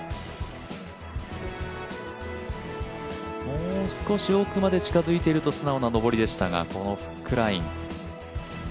もう少し奥まで近づいていると素直な上りでしたがこのフックライン。